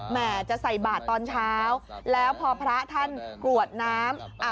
แม่จะใส่บาทตอนเช้าแล้วพอพระท่านกรวดน้ำ